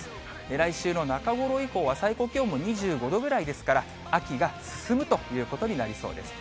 来週の中頃以降は、最高気温も２５度ぐらいですから、秋が進むということになりそうです。